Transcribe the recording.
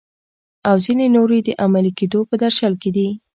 او ځینې نورې د عملي کیدو په درشل کې دي.